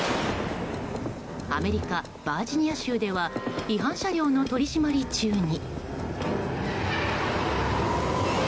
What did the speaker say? アメリカ・バージニア州では違反車両の取り締まり中に。